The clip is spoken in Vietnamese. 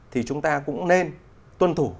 thì chúng ta cũng nên tuân thủ